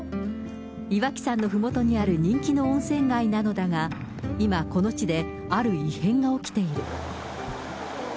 岩木山のふもとにある人気の温泉街なのだが、今、この地である異変が起きている。